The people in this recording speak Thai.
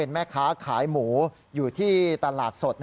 แม่ค้าขายหมูอยู่ที่ตลาดสด